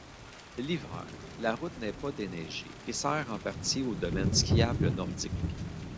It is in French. L’hiver, la route n’est pas déneigée et sert en partie au domaine skiable nordique.